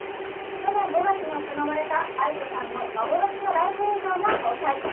去年５月に行われたａｉｋｏさんの幻のライブ映像が公開。